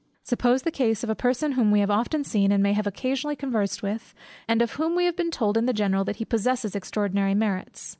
Suppose the case of a person whom we have often seen, and may have occasionally conversed with, and of whom we have been told in the general, that he possesses extraordinary merits.